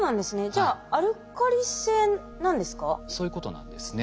じゃあアルカリ性なんですか？